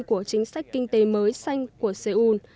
của chính sách kinh tế mới xanh của seoul